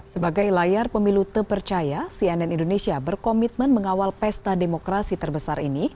sebagai layar pemilu terpercaya cnn indonesia berkomitmen mengawal pesta demokrasi terbesar ini